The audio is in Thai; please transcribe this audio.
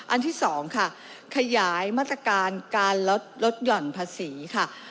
อันที่๒ค่ะขยายมาตรการการลดหย่อนภาษีค่ะ